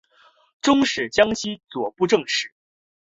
终仕江西左布政使。